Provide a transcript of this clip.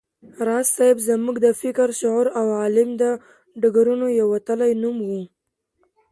راز صيب زموږ د فکر، شعور او علم د ډګرونو یو وتلی نوم و